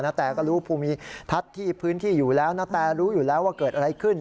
แตก็รู้ภูมิทัศน์ที่พื้นที่อยู่แล้วนาแตรู้อยู่แล้วว่าเกิดอะไรขึ้น